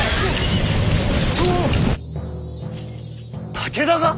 武田が！？